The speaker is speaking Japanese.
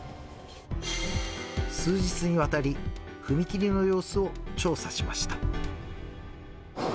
数日にわたり踏切の様子を調査しました。